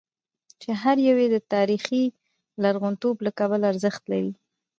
چې هر یو یې د تاریخي لرغونتوب له کبله ارزښت لري.